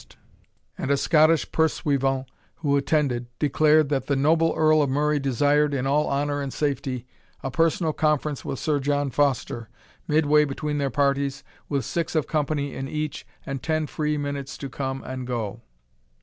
A trumpet interrupted Foster's complaints, and a Scottish pursuivant who attended, declared "that the noble Earl of Murray desired, in all honour and safety, a personal conference with Sir John Foster, midway between their parties, with six of company in each, and ten free minutes to come and go."